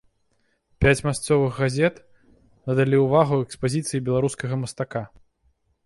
Пяць мясцовых газет надалі ўвагу экспазіцыі беларускага мастака.